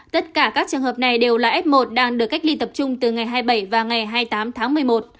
tất cả các trường hợp này đều là f một đang được cách ly tập trung từ ngày hai mươi bảy và ngày hai mươi tám tháng một mươi một